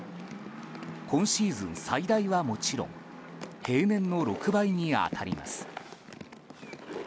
今シーズン最大はもちろん平年の６倍に当たります。